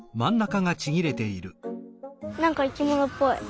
なんかいきものっぽい。